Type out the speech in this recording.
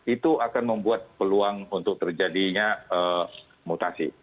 itu akan membuat peluang untuk terjadinya mutasi